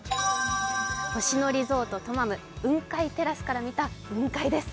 星野リゾートトマム雲海テラスから見た雲海です。